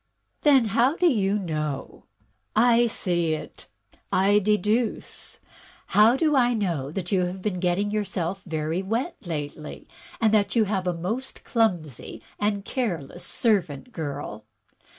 Then, how do you know?*' I see it, I deduce it. How do I know that you have been getting yourself very wet lately, and that you have a most clumsy and care less servant girl?